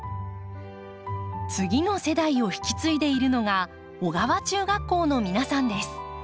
次の世代を引き継いでいるのが尾川中学校の皆さんです。